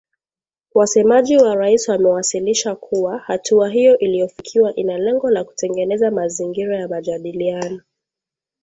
Wasemaji wa raisi wamewasilisha kuwa hatua hiyo iliyofikiwa ina lengo la kutengeneza mazingira ya majadiliano.